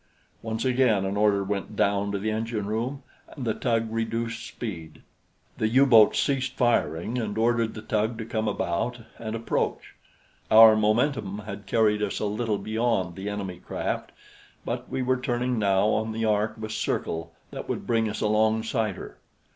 Once again an order went down to the engine room, and the tug reduced speed. The U boat ceased firing and ordered the tug to come about and approach. Our momentum had carried us a little beyond the enemy craft, but we were turning now on the arc of a circle that would bring us alongside her.